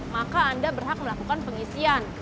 maka anda berhak melakukan pengisian